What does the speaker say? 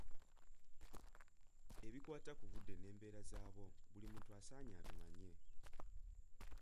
Ebikwata ku budde n'embeera zaabwo buli muntu asaanye abimaye.